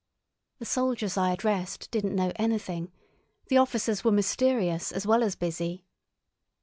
The soldiers I addressed didn't know anything; the officers were mysterious as well as busy.